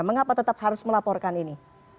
mengapa tetap harus melaporkan ini